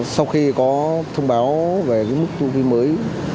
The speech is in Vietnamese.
sau khi có thông báo về mức thu phí mới